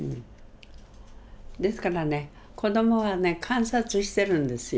ですからね子供はね観察してるんですよ。